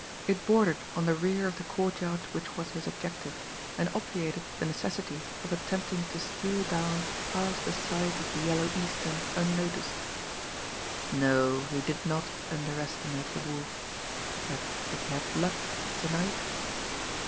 It bordered on the rear of the courtyard which was his objective, and obviated the necessity of attempting to steal down past the side of "The Yellow Eastern" unnoticed. No, he did not underestimate the Wolf, but if he had luck to night